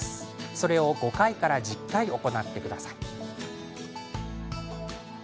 それを５回から１０回行ってください。